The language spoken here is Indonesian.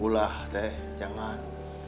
mulah teh jangan